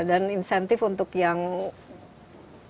dan insentif untuk yang kita kira kira